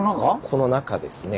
この中ですね。